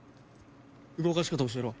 動かし方教えろ。